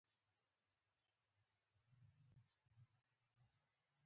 اتیا اوه اتیا هم د فشار نښې ښودلې